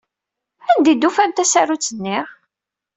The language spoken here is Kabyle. Anda ay d-tufam tasarut-nni?